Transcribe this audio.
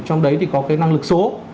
trong đấy thì có cái năng lực số